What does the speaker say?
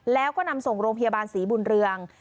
แล้วก็นำส่งโรงพยาบาลศรีบุญเรือง